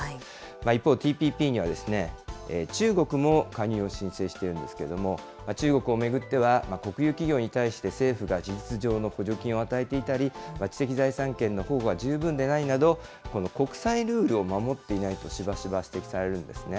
一方ＴＰＰには中国も加入を申請しているんですけれども、中国を巡っては、国有企業に対して政府が事実上の補助金を与えていたり、知的財産権の保護が十分でないなど、この国際ルールを守っていないとしばしば指摘されるんですね。